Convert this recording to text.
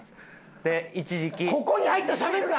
で一時期。